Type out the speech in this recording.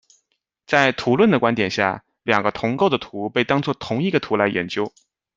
在图论的观点下，两个同构的图被当作同一个图来研究。